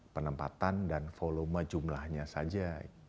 penempatan dan volume jumlahnya saja